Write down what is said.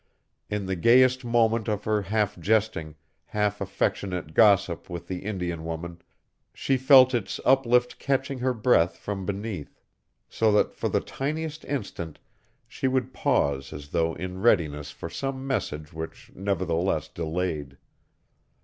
In the gayest moment of her half jesting, half affectionate gossip with the Indian woman, she felt its uplift catching her breath from beneath, so that for the tiniest instant she would pause as though in readiness for some message which nevertheless delayed.